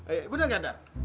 eh bener gak dar